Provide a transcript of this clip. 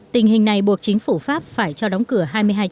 tình hình này buộc chính phủ pháp phải cho đóng cửa